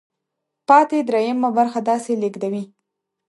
پاتې درېیمه برخه داسې لیږدوي.